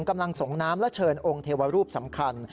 กำลังส่งน้ำและเชิญองค์เทวรูปสำคัญ